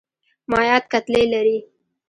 مایعات کتلې لري.